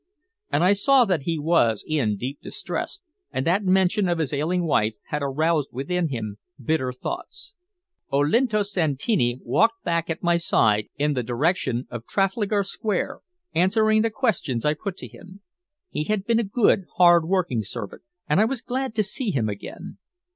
And I saw that he was in deep distress, and that mention of his ailing wife had aroused within him bitter thoughts. Olinto Santini walked back at my side in the direction of Trafalgar Square, answering the questions I put to him. He had been a good, hard working servant, and I was glad to see him again.